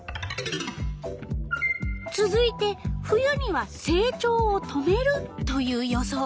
つづいて「冬には成長を止める」という予想。